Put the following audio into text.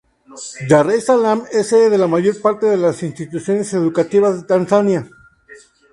Dar es-Salam es sede de la mayor parte de las instituciones educativas de Tanzania.